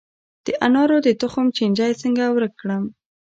د انارو د تخم چینجی څنګه ورک کړم؟